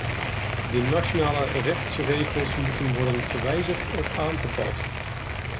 De nationale rechtsregels moeten worden gewijzigd of aangepast.